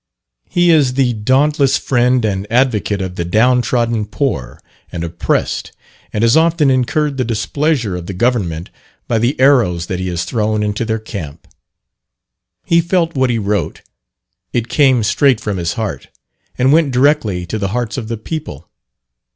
He is the dauntless friend and advocate of the down trodden poor and oppressed, and has often incurred the displeasure of the Government by the arrows that he has thrown into their camp. He felt what he wrote; it came straight from his heart, and went directly to the hearts of the people.